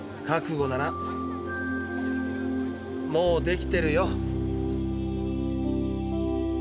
覚悟ならもうできてるよ。